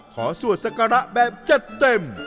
ขอสวดศักระแบบจัดเต็ม